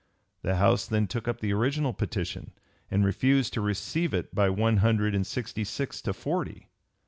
The House then took up the original petition and refused to receive it by one hundred and sixty six to forty.